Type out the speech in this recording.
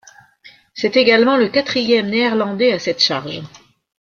C'est également le quatrième Néerlandais à cette charge.